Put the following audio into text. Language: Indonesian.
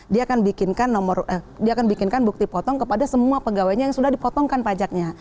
dia akan bikinkan bukti potong kepada semua pegawainya yang sudah dipotongkan pajaknya